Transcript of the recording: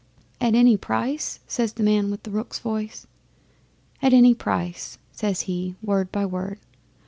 '"At any price?" says the man with the rook's voice. '"At any price," says he, word by word.